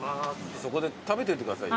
そこで食べといてくださいよ。